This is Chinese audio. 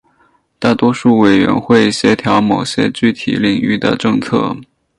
大多数委员会协调某些具体领域的政策。